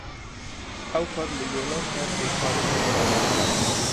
ئەو کات ملیۆنان کەس بێکار بوون.